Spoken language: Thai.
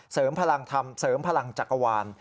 พลังธรรมเสริมพลังจักรวาล